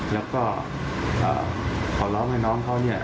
แล้วก็ขอร้องให้น้องเขาเนี่ย